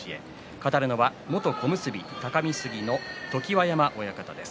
語るのは元小結隆三杉の常盤山親方です。